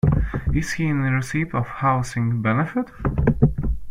Is he in receipt of housing benefit?